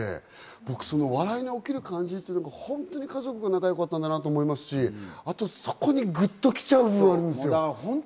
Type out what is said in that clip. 僕、その笑いが起きる感じっていうのが、本当に家族が仲良かったんだなと思いますし、そこにぐっときちゃう部分あるんですよ。